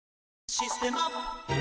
「システマ」